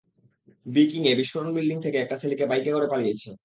বি-কিং-এ বিস্ফোরণ বিল্ডিং থেকে একটা ছেলেকে বাইকে করে পালিয়েছ।